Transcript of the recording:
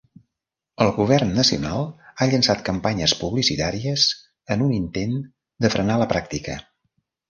El govern nacional ha llençat campanyes publicitaries en un intent de frenar la pràctica.